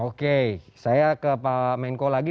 oke saya ke pak menko lagi